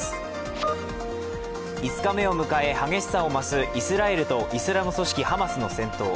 ５日目を迎え、激しさを増すイスラエルとイスラム組織ハマスの戦闘。